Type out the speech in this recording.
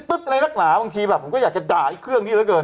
แล้วลาหนักหลาบังทีแบบผมก็อยากจะด่าอีกเครื่องนี้แหละเกิน